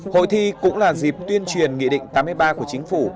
hội thi cũng là dịp tuyên truyền nghị định tám mươi ba của chính phủ